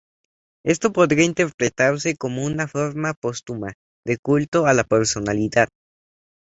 Esto podría interpretarse como una forma póstuma de culto a la personalidad.